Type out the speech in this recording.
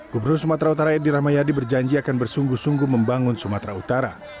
gubernur sumatera utara edi rahmayadi berjanji akan bersungguh sungguh membangun sumatera utara